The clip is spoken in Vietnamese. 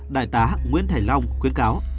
đại tá nguyễn thảy long khuyến cáo